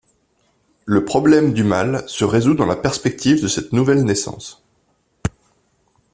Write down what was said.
Le problème du mal se résout dans la perspective de cette nouvelle naissance.